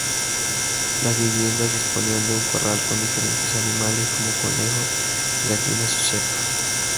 Las viviendas disponían de un corral con diferentes animales como conejos, gallinas o cerdos.